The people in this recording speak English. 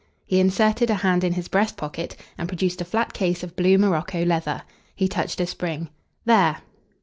He inserted a hand in his breast pocket and produced a flat case of blue Morocco leather. He touched a spring: "There!"